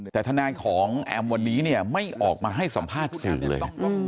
แต่ถนายของแอมม์วันนี้ไม่ออกมาให้สัมภาษณ์สิเลย